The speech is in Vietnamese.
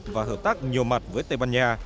và hợp tác nhiều mặt với tây ban nha